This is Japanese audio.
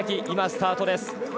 今スタートです。